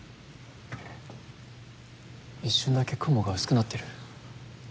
一瞬だけ雲が薄くなってる。